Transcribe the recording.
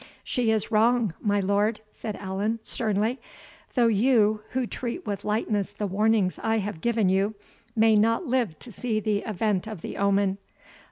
"She is WRONG, my lord," said Allan, sternly, "though you, who treat with lightness the warnings I have given you, may not live to see the event of the omen.